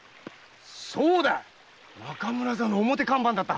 そうだ中村座の表看板だった。